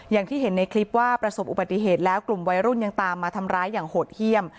อย่างที่เห็นในคลิปว่าประสบอุบัติเหตุแล้วกลุ่มวัยรุ่นยังตามมาทำร้ายอย่างโหดเยี่ยม